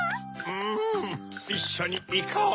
んいっしょにいこう！